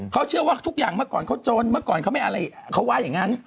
เขาเชื่อว่าทุกอย่างเมื่อก่อนเขาโจรเมื่อก่อนเขาว่าอย่างงั้น